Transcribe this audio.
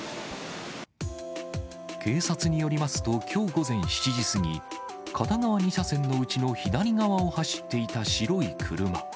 警察によりますと、きょう午前７時過ぎ、片側２車線のうちの左側を走っていた白い車。